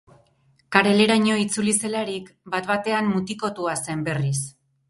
Kareleraino itzuli zelarik, bat-batean mutikotua zen berriz.